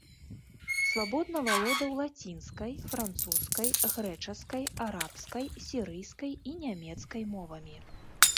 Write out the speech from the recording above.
Свабодна валодаў лацінскай, французскай, грэчаскай, арабскай, сірыйскай і нямецкай мовамі.